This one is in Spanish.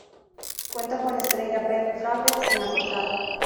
Cuenta con la estrella Brett Favre en la portada.